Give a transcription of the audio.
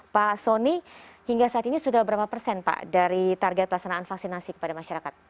pak soni hingga saat ini sudah berapa persen pak dari target pelaksanaan vaksinasi kepada masyarakat